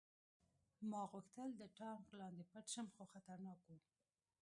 ما غوښتل د ټانک لاندې پټ شم خو خطرناک و